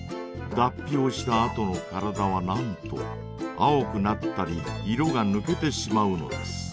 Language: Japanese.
だっぴをしたあとの体はなんと青くなったり色がぬけてしまうのです。